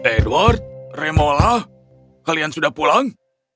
edward remola kalian sudah pulang